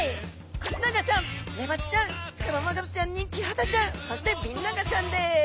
コシナガちゃんメバチちゃんクロマグロちゃんにキハダちゃんそしてビンナガちゃんです。